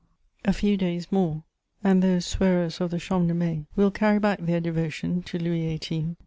A few days more, and those swearers of the Champ de Mai will carry back their devotion to Louis XVIII.